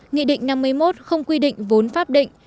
nghị định năm mươi một không quy định vốn pháp định